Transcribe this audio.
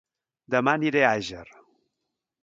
Dema aniré a Àger